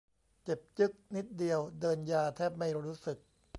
เจ็บจึ๊กนิดเดียว เดินยาแทบไม่รู้สึก